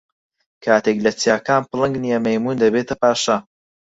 کاتێک لە چیاکان پڵنگ نییە، مەیموون دەبێتە پاشا.